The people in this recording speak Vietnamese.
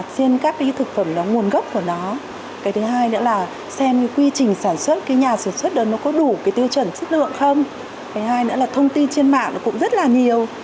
trên các thực phẩm nguồn gốc của nó xem quy trình sản xuất nhà sản xuất có đủ tiêu chuẩn chất lượng không thông tin trên mạng cũng rất nhiều